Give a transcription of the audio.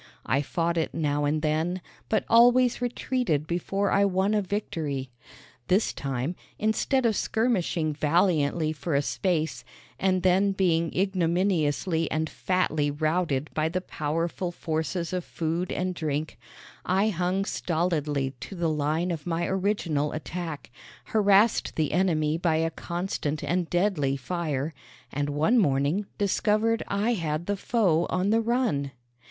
I fought it now and then, but always retreated before I won a victory. This time, instead of skirmishing valiantly for a space and then being ignominiously and fatly routed by the powerful forces of food and drink, I hung stolidly to the line of my original attack, harassed the enemy by a constant and deadly fire and one morning discovered I had the foe on the run.